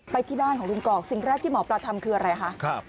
ไปที่บ้านของลุงกอกสิ่งแรกที่หมอปลาทำคืออะไรคะ